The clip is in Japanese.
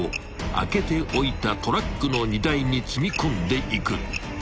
開けておいたトラックの荷台に積み込んでいく］